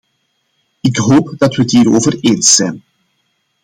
Ik hoop dat we het hierover eens zijn.